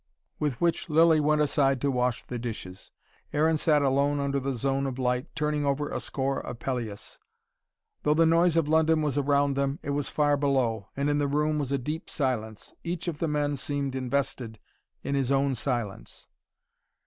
With which Lilly went aside to wash the dishes. Aaron sat alone under the zone of light, turning over a score of Pelleas. Though the noise of London was around them, it was far below, and in the room was a deep silence. Each of the men seemed invested in his own silence.